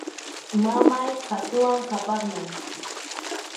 Mamay qhatuwan qhapaqyan.